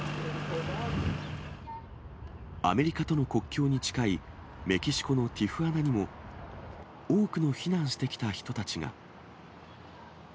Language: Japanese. アメリカとの国境に近いメキシコのティフアナにも多くの避難してきた人たちが。